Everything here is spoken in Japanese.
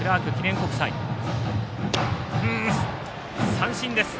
三振です。